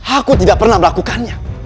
aku tidak pernah melakukannya